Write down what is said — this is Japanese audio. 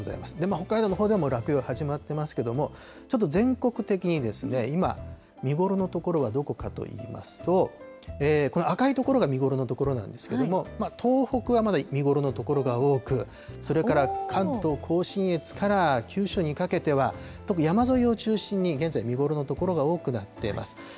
北海道のほうではもう落葉、始まってますけれども、ちょっと全国的に今、見頃の所はどこかといいますと、この赤い所が見頃の所なんですけれども、東北はまだ見頃の所が多く、それから関東甲信越から九州にかけては、特に山沿いを中心に、現在、見頃の所が多くなっています。